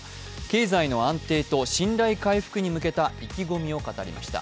経済の安定と信頼回復に向けた意気込みを語りました。